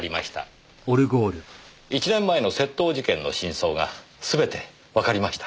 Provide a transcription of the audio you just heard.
１年前の窃盗事件の真相が全てわかりました。